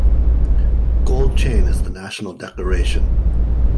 Gold chain is the national decoration.